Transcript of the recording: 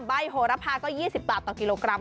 โหระพาก็๒๐บาทต่อกิโลกรัม